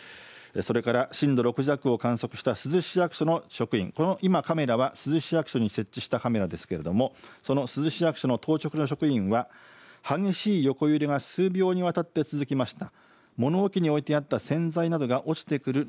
それから震度６弱を観測した珠洲市役所の職員、今カメラは珠洲市役所に設置したカメラですけどもその珠洲市役所の当直の職員は激しい横揺れが数秒にわたって続きました。